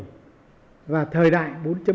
nếu như chúng ta mở trên mạng